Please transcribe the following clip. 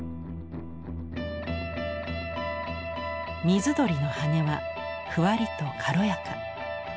水鳥の羽はふわりと軽やか。